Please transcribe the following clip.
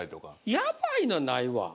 やばいのはないわ。